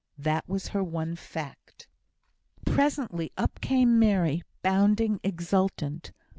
That was her one fact. Presently up came Mary, bounding, exultant.